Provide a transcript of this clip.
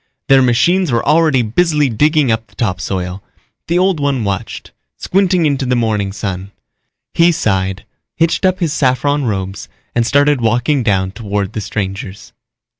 Their machines were already busily digging up the topsoil. The Old One watched, squinting into the morning sun. He sighed, hitched up his saffron robes and started walking down toward the strangers.